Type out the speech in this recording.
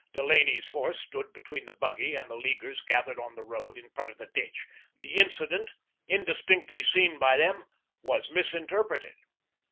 Delaney's horse stood between the buggy and the Leaguers gathered on the road in front of the ditch; the incident, indistinctly seen by them, was misinterpreted.